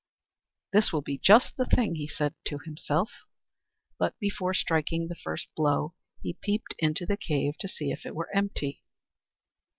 "This will be just the thing," he said to himself. But, before striking the first blow, he peeped into the cave to see if it were empty.